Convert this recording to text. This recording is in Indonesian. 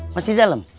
masih di dalam